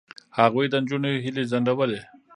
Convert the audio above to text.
هغوی د نجونو هیلې ځنډولې.